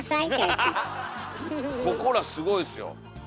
ここらすごいっすよ。